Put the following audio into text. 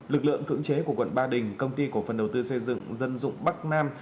lực lượng cưỡng chế của quận ba đình công ty cổ phần đầu tư xây dựng dân dụng bắc nam